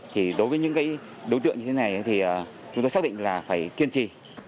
thì đối với những cái đối tượng như thế này thì chúng tôi xác định là phải kiên trì